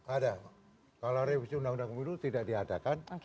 ada kalau revisi undang undang pemilu tidak diadakan